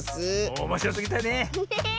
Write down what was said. おもしろすぎたね！ね！